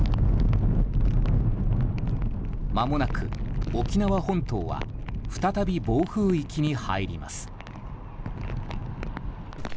まもなく、沖縄本島は再び暴風域に入ります。